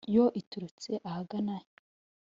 Yo iturutse ahagana he